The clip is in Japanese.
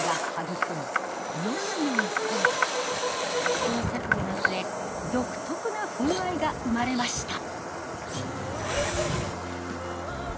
試行錯誤の末独特な風合いが生まれました。